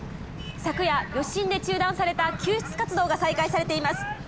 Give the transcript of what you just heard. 昨夜余震で中断された救出活動が再開されています。